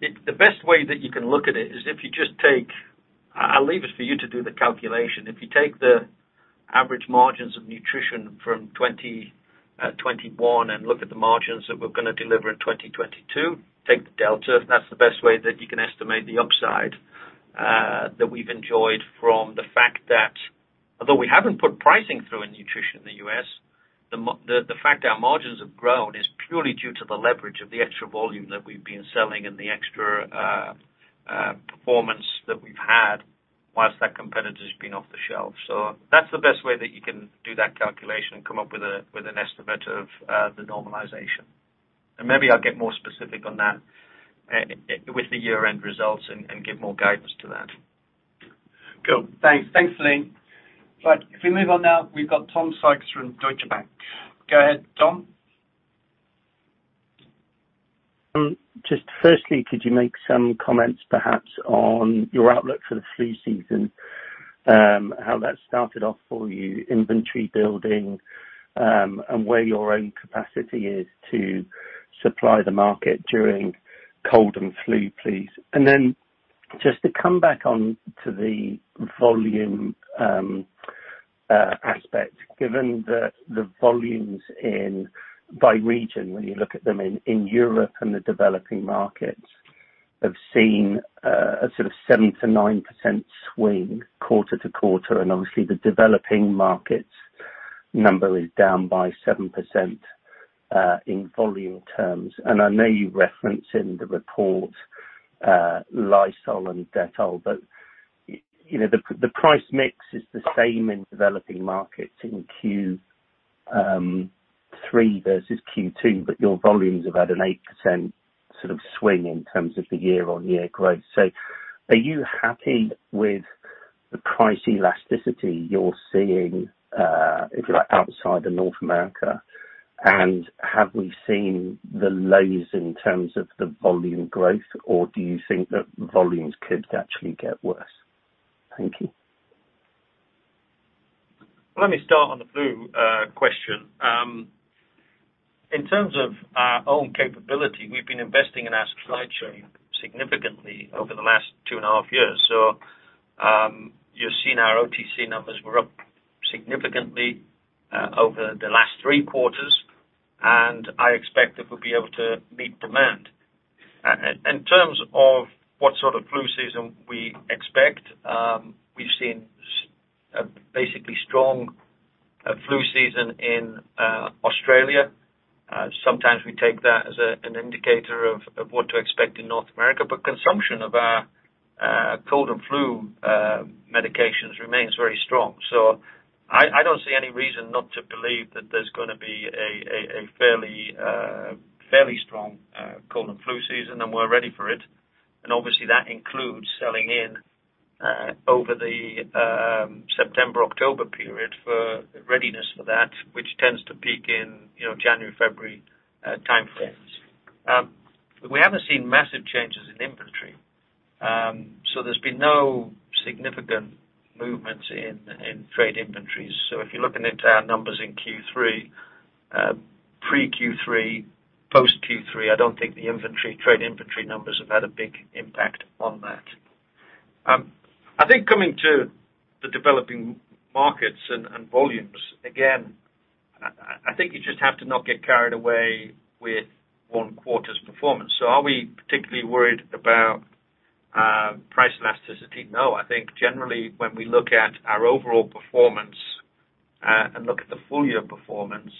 the best way that you can look at it is if you just take. I'll leave it for you to do the calculation. If you take the average margins of Nutrition from 2021 and look at the margins that we're gonna deliver in 2022, take the delta, that's the best way that you can estimate the upside that we've enjoyed from the fact that although we haven't put pricing through in Nutrition in the U.S. The fact our margins have grown is purely due to the leverage of the extra volume that we've been selling and the extra performance that we've had whilst that competitor's been off the shelf. That's the best way that you can do that calculation and come up with an estimate of the normalization. Maybe I'll get more specific on that with the year-end results and give more guidance to that. Cool. Thanks. Thanks, Celine Pannuti. Right. If we move on now, we've got Tom Sykes from Deutsche Bank. Go ahead, Tom. Just firstly, could you make some comments perhaps on your outlook for the flu season, how that started off for you, inventory building, and where your own capacity is to supply the market during cold and flu, please. Just to come back onto the volume aspect, given the volumes in by region, when you look at them in Europe and the developing markets have seen a sort of 7%-9% swing quarter to quarter, and obviously the developing markets number is down by 7% in volume terms. I know you reference in the report Lysol and Dettol, but you know, the price mix is the same in developing markets in Q3 versus Q2, but your volumes have had an 8% sort of swing in terms of the year-on-year growth. Are you happy with the price elasticity you're seeing, if you like, outside of North America? Have we seen the lows in terms of the volume growth, or do you think that volumes could actually get worse? Thank you. Let me start on the flu question. In terms of our own capability, we've been investing in our supply chain significantly over the last two and a half years. You've seen our OTC numbers were up significantly over the last three quarters, and I expect that we'll be able to meet demand. In terms of what sort of flu season we expect, we've seen basically strong flu season in Australia. Sometimes we take that as an indicator of what to expect in North America. Consumption of our cold and flu medications remains very strong. I don't see any reason not to believe that there's gonna be a fairly strong cold and flu season, and we're ready for it. Obviously that includes selling in over the September-October period for the readiness for that, which tends to peak in, you know, January, February time frames. We haven't seen massive changes in inventory. So there's been no significant movement in trade inventories. If you're looking into our numbers in Q3, pre-Q3, post Q3, I don't think the inventory, trade inventory numbers have had a big impact on that. I think coming to the developing markets and volumes, again, I think you just have to not get carried away with one quarter's performance. Are we particularly worried about price elasticity? No. I think generally when we look at our overall performance and look at the full year performance,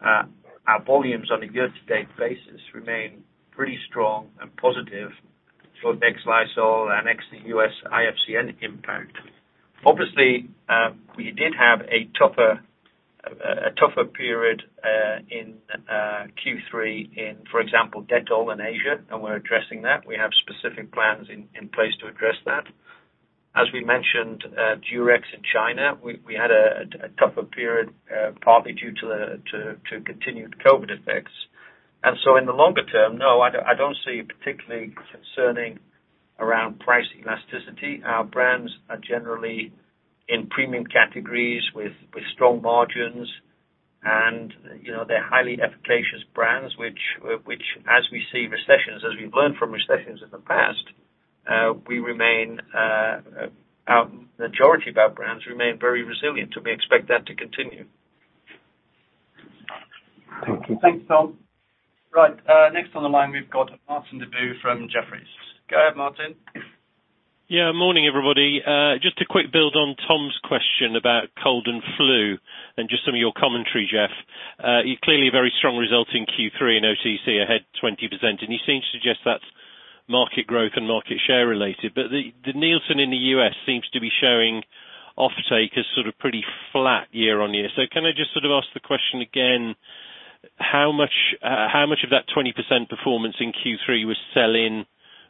our volumes on a year to date basis remain pretty strong and positive for ex-Lysol and ex-US IFCN impact. Obviously, we did have a tougher period in Q3, for example, Dettol in Asia, and we're addressing that. We have specific plans in place to address that. As we mentioned, Durex in China, we had a tougher period partly due to the continued COVID effects. In the longer term, I don't see particularly concerning around price elasticity. Our brands are generally in premium categories with strong margins. You know, they're highly efficacious brands, which as we see recessions, as we've learned from recessions in the past, majority of our brands remain very resilient, and we expect that to continue. Thank you. Thanks, Tom. Right. Next on the line, we've got Martin Deboo from Jefferies. Go ahead, Martin. Yeah. Morning, everybody. Just a quick build on Tom's question about cold and flu and just some of your commentary, Jeff. You're clearly a very strong result in Q3 and OTC ahead 20%, and you seem to suggest that's market growth and market share related. The Nielsen in the U.S. seems to be showing offtake as sort of pretty flat year-on-year. Can I just sort of ask the question again, how much of that 20% performance in Q3 was sell in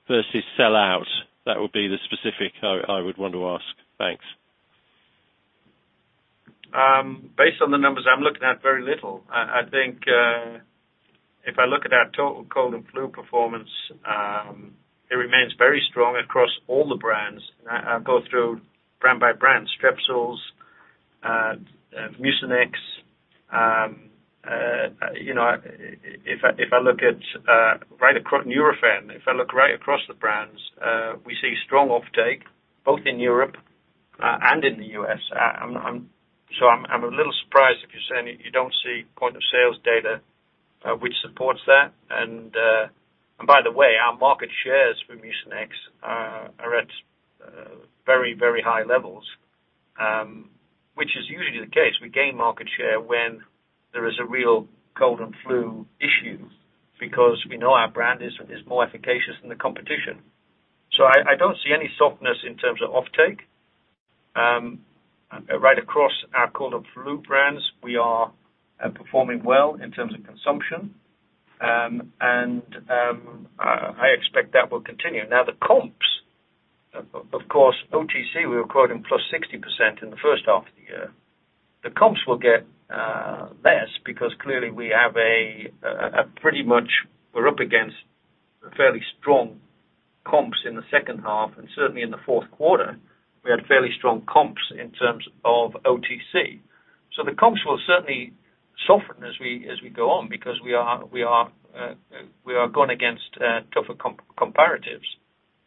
versus sell out? That would be the specific I would want to ask. Thanks. Based on the numbers I'm looking at, very little. I think, if I look at our total cold and flu performance, it remains very strong across all the brands. I'll go through brand by brand. Strepsils, Mucinex, you know, if I look right across Nurofen, if I look right across the brands, we see strong offtake both in Europe and in the U.S. I'm a little surprised if you're saying you don't see point of sales data, which supports that. By the way, our market shares for Mucinex very high levels, which is usually the case. We gain market share when there is a real cold and flu issue because we know our brand is more efficacious than the competition. I don't see any softness in terms of offtake. Right across our cold and flu brands, we are performing well in terms of consumption. I expect that will continue. Now, the comps, of course, OTC, we were quoting plus 60% in the first half of the year. The comps will get less because clearly we have a pretty much we're up against fairly strong comps in the second half. Certainly in the fourth quarter, we had fairly strong comps in terms of OTC. The comps will certainly soften as we go on because we are going against tougher comparatives.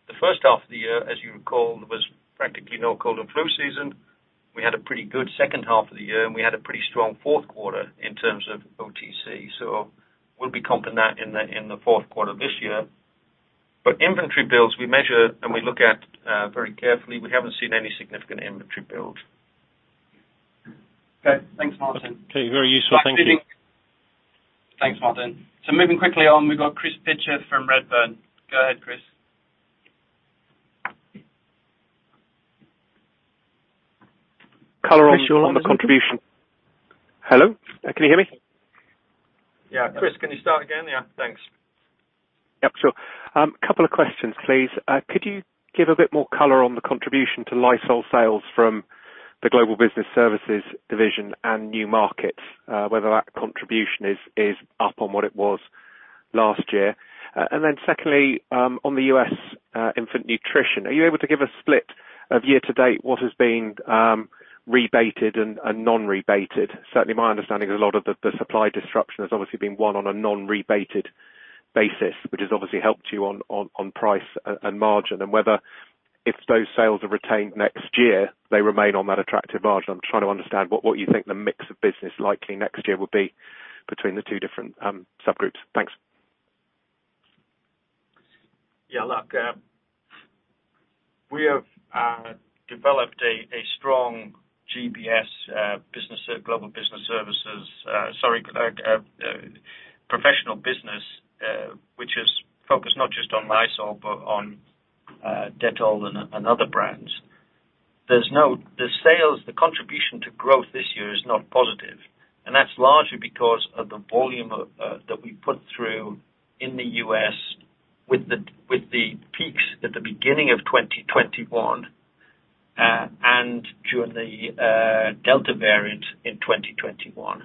The first half of the year, as you recall, there was practically no cold and flu season. We had a pretty good second half of the year, and we had a pretty strong fourth quarter in terms of OTC, so we'll be comping that in the fourth quarter this year. But inventory builds, we measure, and we look at very carefully. We haven't seen any significant inventory build. Okay. Thanks, Martin. Okay. Very useful. Thank you. Thanks, Martin. Moving quickly on, we've got Chris Pitcher from Redburn. Go ahead, Chris. Color on the contribution. Chris, you're on mute. Hello? Can you hear me? Yeah. Chris, can you start again? Yeah, thanks. Yep, sure. Couple of questions, please. Could you give a bit more color on the contribution to Lysol sales from the Global Business Services division and new markets, whether that contribution is up on what it was last year? And then secondly, on the U.S. infant nutrition, are you able to give a split of year to date what has been rebated and non-rebated? Certainly my understanding is a lot of the supply disruption has obviously been on a non-rebated basis, which has obviously helped you on price and margin. Whether if those sales are retained next year, they remain on that attractive margin. I'm trying to understand what you think the mix of business likely next year will be between the two different subgroups. Thanks. Yeah, look, we have developed a strong GBS, global business services. Sorry, professional business, which is focused not just on Lysol, but on Dettol and other brands. The sales contribution to growth this year is not positive, and that's largely because of the volume that we put through in the U.S. with the peaks at the beginning of 2021 and during the Delta variant in 2021.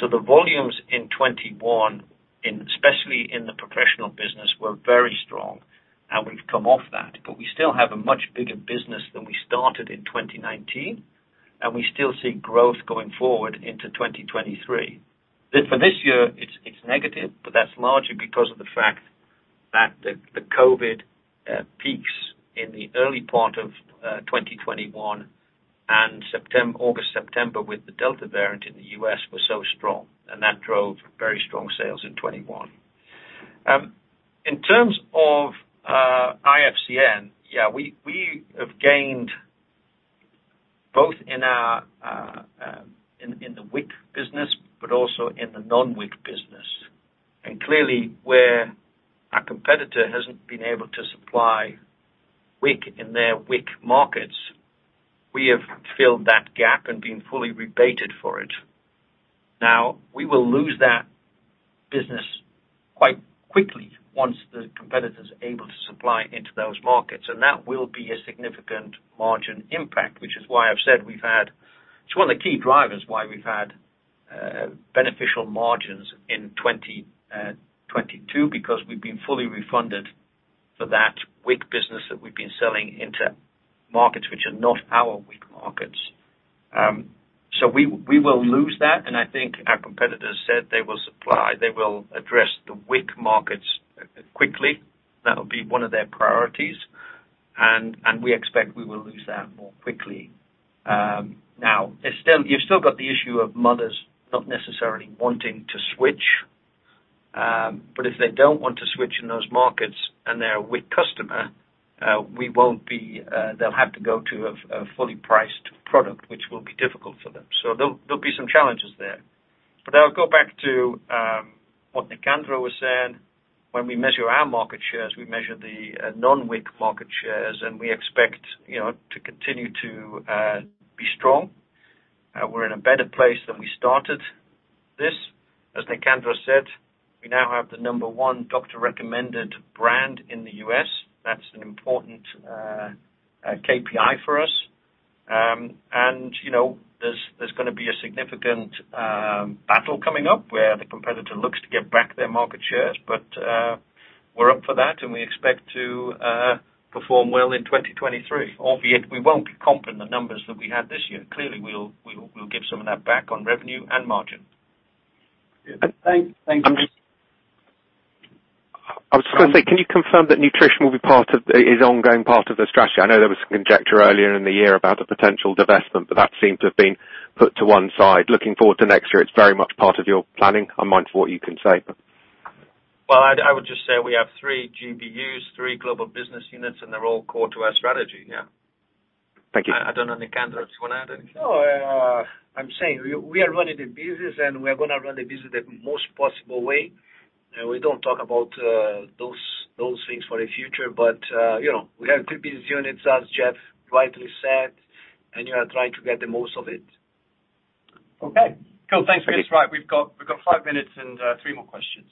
The volumes in 2021, especially in the professional business, were very strong and we've come off that. We still have a much bigger business than we started in 2019, and we still see growth going forward into 2023. For this year, it's negative, but that's largely because of the fact that the COVID peaks in the early part of 2021 and August, September with the Delta variant in the U.S. was so strong, and that drove very strong sales in 2021. In terms of IFCN, yeah, we have gained both in our in the WIC business but also in the non-WIC business. Clearly, where our competitor hasn't been able to supply WIC in their WIC markets, we have filled that gap and been fully rebated for it. Now, we will lose that business quite quickly once the competitor's able to supply into those markets, and that will be a significant margin impact, which is why I've said we've had. It's one of the key drivers why we've had beneficial margins in 2022 because we've been fully refunded for that WIC business that we've been selling into markets which are not our WIC markets. We will lose that, and I think our competitors said they will supply, they will address the WIC markets quickly. That'll be one of their priorities, and we expect we will lose that more quickly. Now there's still, you've still got the issue of mothers not necessarily wanting to switch. If they don't want to switch in those markets and they're a WIC customer, they'll have to go to a fully priced product which will be difficult for them. There'll be some challenges there. I'll go back to what Nicandro was saying. When we measure our market shares, we measure the non-WIC market shares, and we expect, you know, to continue to be strong. We're in a better place than we started this. As Nicandro said, we now have the number one doctor-recommended brand in the U.S. That's an important KPI for us. You know, there's gonna be a significant battle coming up where the competitor looks to get back their market shares. We're up for that and we expect to perform well in 2023, albeit we won't be comping the numbers that we had this year. Clearly, we'll give some of that back on revenue and margin. Thank you. I was just gonna say, can you confirm that Nutrition is ongoing part of the strategy? I know there was some conjecture earlier in the year about a potential divestment, but that seemed to have been put to one side. Looking forward to next year, it's very much part of your planning. I'm mindful of what you can say, but Well, I would just say we have three GBUs, three global business units, and they're all core to our strategy, yeah. Thank you. I don't know, Nicandro, do you wanna add anything? No, I'm saying we are running the business, and we are gonna run the business the most possible way. We don't talk about those things for the future. You know, we have good business units, as Jeff rightly said, and we are trying to get the most of it. Okay. Cool. Thanks. That's right, we've got five minutes and three more questions.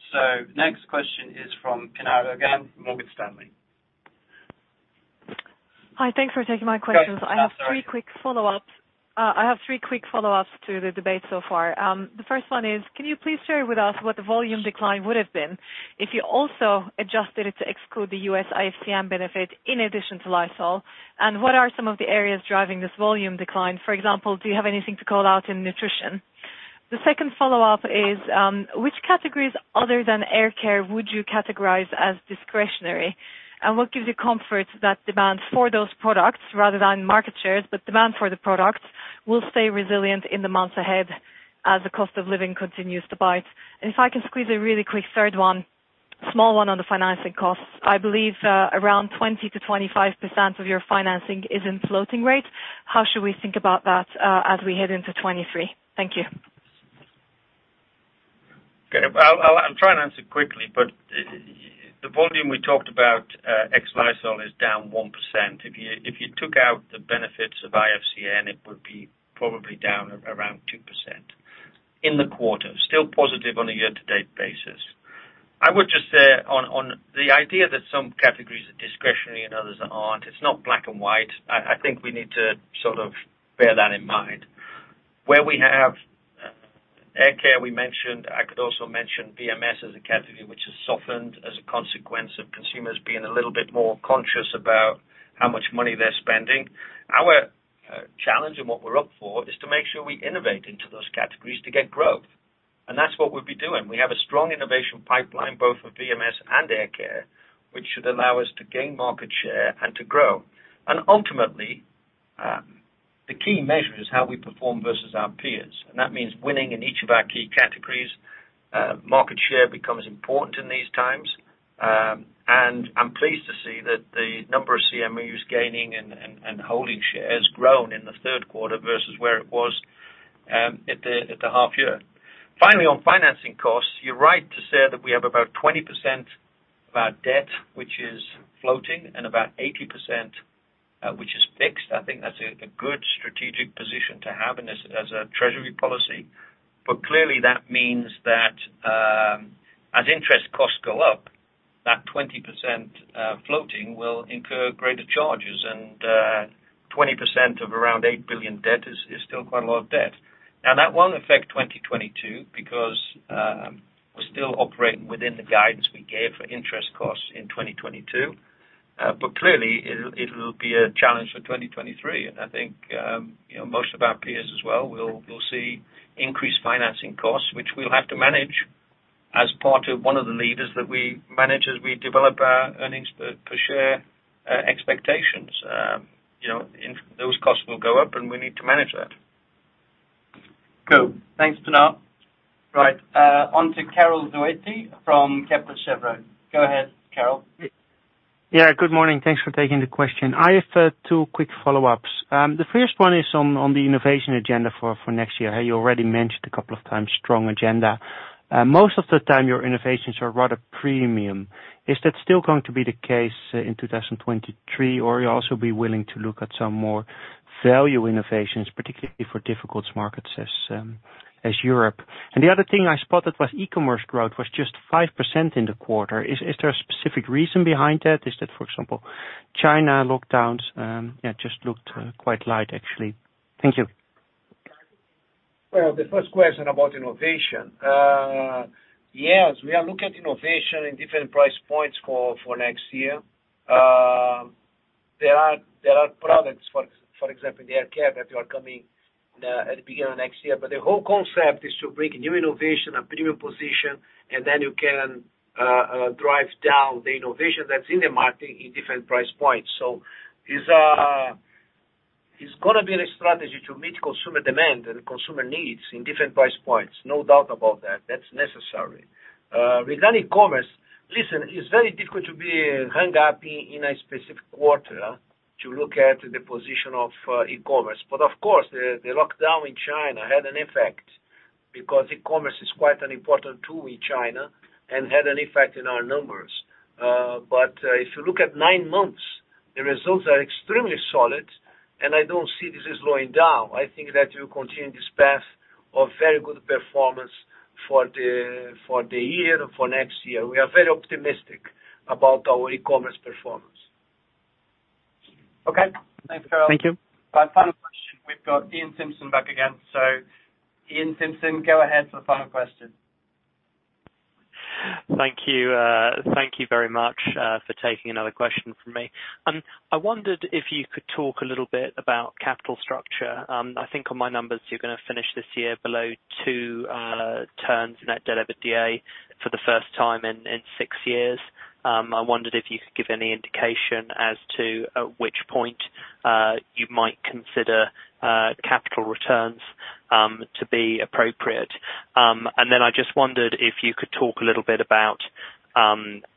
Next question is from Pinar Ergun from Morgan Stanley. Hi. Thanks for taking my questions. Go ahead, I'm sorry. I have three quick follow-ups to the debate so far. The first one is, can you please share with us what the volume decline would've been if you also adjusted it to exclude the U.S. IFCN benefit in addition to Lysol, and what are some of the areas driving this volume decline? For example, do you have anything to call out in Nutrition? The second follow-up is, which categories other than air care would you categorize as discretionary? And what gives you comfort that demand for those products rather than market shares, but demand for the products will stay resilient in the months ahead as the cost of living continues to bite? If I can squeeze a really quick third one, small one on the financing costs, I believe, around 20%-25% of your financing is in floating rate. How should we think about that, as we head into 2023? Thank you. Okay. I'll try and answer quickly, but the volume we talked about ex Lysol is down 1%. If you took out the benefits of IFCN, it would be probably down around 2% in the quarter. Still positive on a year to date basis. I would just say on the idea that some categories are discretionary and others aren't, it's not black and white. I think we need to sort of bear that in mind. Where we have air care we mentioned, I could also mention VMS as a category which has softened as a consequence of consumers being a little bit more conscious about how much money they're spending. Our challenge and what we're up for is to make sure we innovate into those categories to get growth. That's what we'll be doing. We have a strong innovation pipeline both for VMS and air care, which should allow us to gain market share and to grow. Ultimately, the key measure is how we perform versus our peers, and that means winning in each of our key categories. Market share becomes important in these times. I'm pleased to see that the number of CMUs gaining and holding shares grown in the third quarter versus where it was at the half year. Finally, on financing costs, you're right to say that we have about 20% of our debt, which is floating, and about 80%, which is fixed. I think that's a good strategic position to have in this as a treasury policy. Clearly that means that, as interest costs go up, that 20% floating will incur greater charges. 20% of around 8 billion debt is still quite a lot of debt. Now, that won't affect 2022 because, we're still operating within the guidance we gave for interest costs in 2022. Clearly it'll be a challenge for 2023. I think, you know, most of our peers as well will see increased financing costs, which we'll have to manage as part of one of the levers that we manage as we develop our earnings per share expectations. You know, those costs will go up, and we need to manage that. Cool. Thanks, Pinar. Right, on to Karel Zoete from Kepler Cheuvreux. Go ahead, Karel. Yeah. Good morning. Thanks for taking the question. I have two quick follow-ups. The first one is on the innovation agenda for next year. You already mentioned a couple of times strong agenda. Most of the time your innovations are rather premium. Is that still going to be the case in 2023, or you'll also be willing to look at some more value innovations, particularly for difficult markets as Europe? And the other thing I spotted was e-commerce growth was just 5% in the quarter. Is there a specific reason behind that? Is that, for example, China lockdowns? Yeah, just looked quite light actually. Thank you. Well, the first question about innovation. Yes, we are looking at innovation in different price points for next year. There are products, for example, the air care that we are coming at the beginning of next year. The whole concept is to bring new innovation and premium position, and then you can drive down the innovation that's in the market in different price points. It's gonna be the strategy to meet consumer demand and consumer needs in different price points, no doubt about that. That's necessary. Regarding e-commerce, listen, it's very difficult to be hung up in a specific quarter to look at the position of e-commerce. Of course, the lockdown in China had an effect because e-commerce is quite an important tool in China and had an effect in our numbers. If you look at nine months, the results are extremely solid, and I don't see this is slowing down. I think that we'll continue this path of very good performance for the year, for next year. We are very optimistic about our e-commerce performance. Okay. Thanks, Karel. Thank you. Our final question, we've got Iain Simpson back again. Iain Simpson, go ahead for the final question. Thank you. Thank you very much for taking another question from me. I wondered if you could talk a little bit about capital structure. I think on my numbers you're gonna finish this year below 2 turns net debt over EBITDA for the first time in 6 years. I wondered if you could give any indication as to at which point you might consider capital returns. To be appropriate. I just wondered if you could talk a little bit about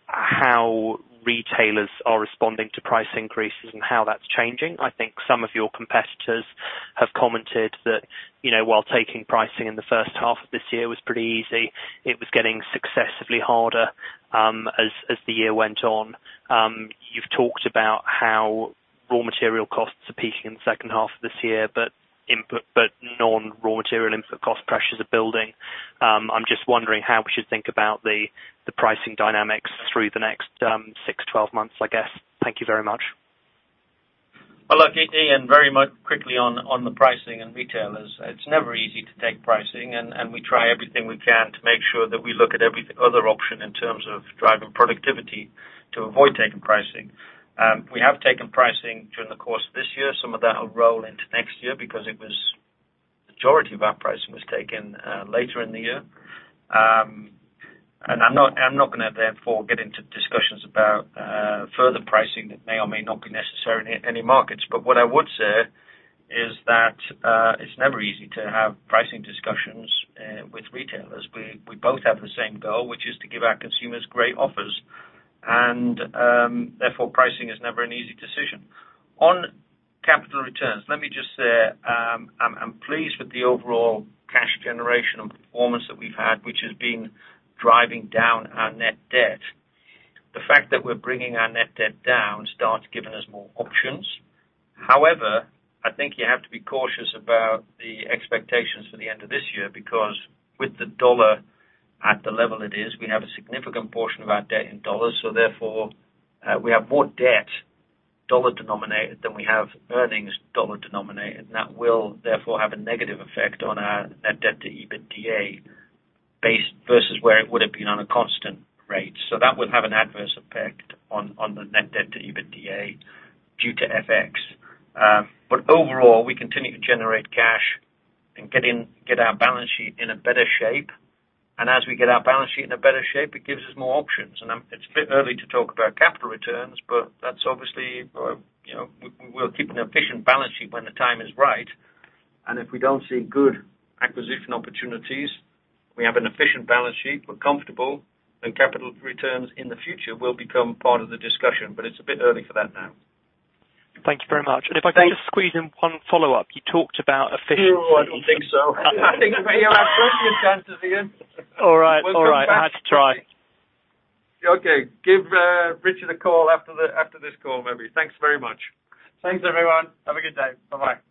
how retailers are responding to price increases and how that's changing. I think some of your competitors have commented that, you know, while taking pricing in the first half of this year was pretty easy, it was getting successively harder as the year went on. You've talked about how raw material costs are peaking in the second half of this year, but non-raw material input cost pressures are building. I'm just wondering how we should think about the pricing dynamics through the next 6-12 months, I guess. Thank you very much. Well look, Iain, very much quickly on the pricing and retailers. It's never easy to take pricing and we try everything we can to make sure that we look at every other option in terms of driving productivity to avoid taking pricing. We have taken pricing during the course of this year. Some of that will roll into next year because majority of our pricing was taken later in the year. I'm not gonna therefore get into discussions about further pricing that may or may not be necessary in any markets. But what I would say is that it's never easy to have pricing discussions with retailers. We both have the same goal, which is to give our consumers great offers and therefore pricing is never an easy decision. On capital returns, let me just say, I'm pleased with the overall cash generation and performance that we've had, which has been driving down our net debt. The fact that we're bringing our net debt down starts giving us more options. However, I think you have to be cautious about the expectations for the end of this year, because with the dollar at the level it is, we have a significant portion of our debt in dollars, so therefore, we have more debt dollar denominated than we have earnings dollar denominated, and that will therefore have a negative effect on our net debt to EBITDA base versus where it would have been on a constant rate. That will have an adverse effect on the net debt to EBITDA due to FX. Overall, we continue to generate cash and get our balance sheet in a better shape. As we get our balance sheet in a better shape, it gives us more options. It's a bit early to talk about capital returns, but that's obviously we'll keep an efficient balance sheet when the time is right. If we don't see good acquisition opportunities, we have an efficient balance sheet. We're comfortable that capital returns in the future will become part of the discussion, but it's a bit early for that now. Thank you very much. Thanks. If I could just squeeze in one follow-up. You talked about efficient. No, I don't think so. I think you have plenty of chances, Iain. All right. All right. Welcome back. I had to try. Okay. Give Richard a call after this call, maybe. Thanks very much. Thanks, everyone. Have a good day. Bye-bye.